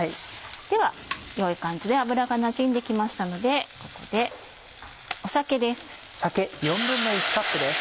では良い感じで油がなじんで来ましたのでここで酒です。